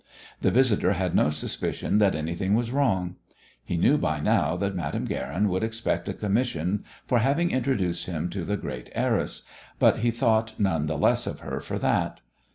The visitor had no suspicion that anything was wrong. He knew by now that Madame Guerin would expect a commission for having introduced him to the great heiress, but he thought none the less of her for that.